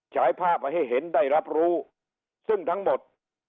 ฉายภาพให้เห็นได้รับรู้ซึ่งทั้งหมด